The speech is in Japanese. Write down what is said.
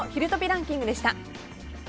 ランキングでした。